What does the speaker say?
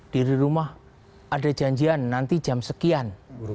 dari rumah ada janjian nanti jam sekian